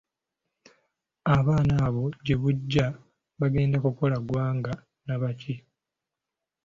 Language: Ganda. Abaana abo gye bujja bagenda kukola ggwanga nnabaki?